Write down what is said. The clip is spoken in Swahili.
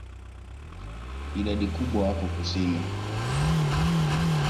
Idadi kubwa wako kusini.